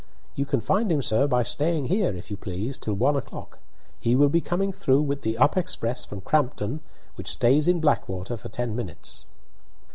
"You can find him, sir, by staying here, if you please, till one o'clock. He will be coming through with the up express from Crampton, which stays in Blackwater for ten minutes."